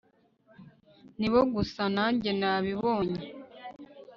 ni bo gusa nanjye nabibonye